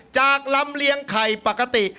จากลำเลี้ยงไข่ปกติ